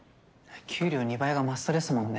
給料２倍がマストですもんね。